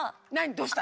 どうした？